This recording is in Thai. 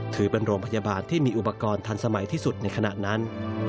ถือเป็นโรงพยาบาลที่มีอุปกรณ์ทันสมัยที่สุดในขณะนั้น